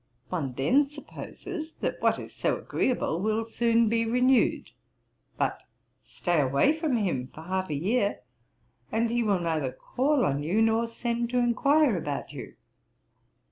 One then supposes that what is so agreeable will soon be renewed; but stay away from him for half a year, and he will neither call on you, nor send to inquire about you.'